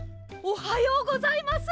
おはようございます！